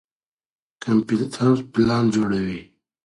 کمپيوټر پلان جوړوي.